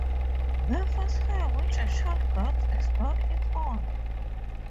The first hair which a child gets is not its own.